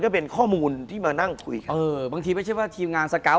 คุณผู้ชมบางท่าอาจจะไม่เข้าใจที่พิเตียร์สาร